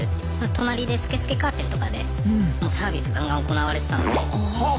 隣で透け透けカーテンとかでもうサービスガンガン行われてたので。